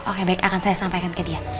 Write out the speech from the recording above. oke baik akan saya sampaikan ke dia